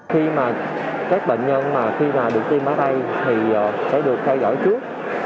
khi mà các bệnh nhân mà khi vào được tiêm ở đây thì sẽ được theo dõi trước